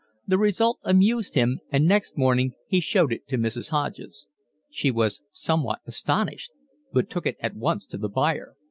The result amused him and next morning he showed it to Mrs. Hodges. She was somewhat astonished, but took it at once to the buyer.